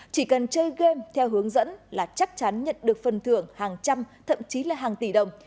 chỉ cần chơi game theo hướng dẫn là chắc chắn nhận được phần thưởng hàng trăm thậm chí là hàng tỷ đồng